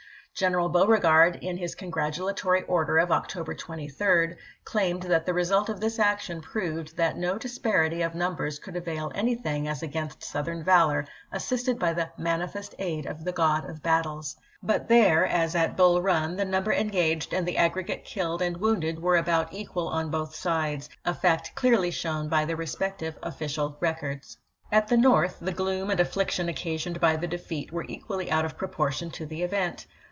General Beauregard, in his congratulatory order of October 23, claimed that the result of this action proved that no dis parity of numbers could avail anything as against Southern valor assisted by the "manifest aid of ^^^.Zt the God of battles." But there, as at Bull Run, the number engaged and the aggregate killed and wounded were about equal on both sides — a fact clearly shown by the respective official records. THE AEMY OF THE POTOMAC 459 At the North the gloom and affliction occasioned ch. xxv. by the defeat were equally out of proportion to the event.